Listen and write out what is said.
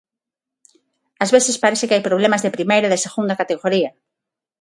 Ás veces parece que hai problemas de primeira e de segunda categoría.